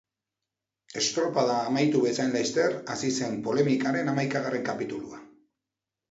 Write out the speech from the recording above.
Estropada amaitu bezain laister hasi zen polemikaren hamaikagarren kapitulua.